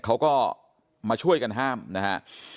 เขาก็มาช่วยกันห้ามนะฮะ